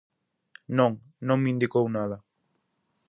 Non, non me indicou nada.